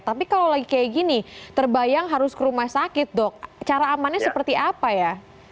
tapi kalau lagi kayak gini terbayang harus ke rumah sakit dok cara amannya seperti apa ya